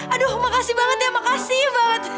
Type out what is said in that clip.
aduh makasih banget ya makasih banget